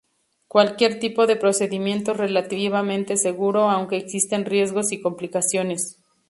Cualquier tipo de procedimiento es relativamente seguro, aunque existen riesgos y complicaciones.